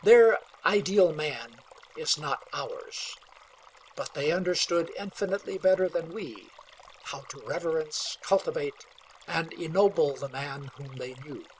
Their ideal man is not ours; but they understood infinitely better than we, how to reverence, cultivate, and ennoble the man whom they knew.